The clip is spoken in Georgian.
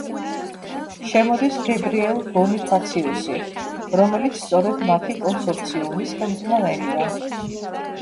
შემოდის გებრიელ ბონიფაციუსი, რომელიც სწორედ მათი კონსორციუმის ხელმძღვანელია.